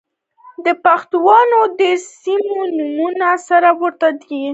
د پښتنو د ډېرو سيمو نومان سره ورته دي.